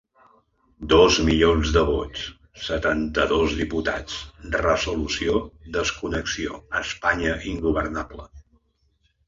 Dos milions de vots, setanta-dos diputats, resolució desconnexió, Espanya ingovernable.